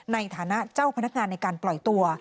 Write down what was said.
ในฐานะเจ้าพนักงานในการปล่อยตัว